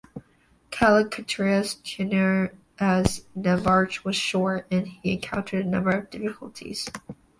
Callicratidas's tenure as navarch was short, and he encountered a number of difficulties.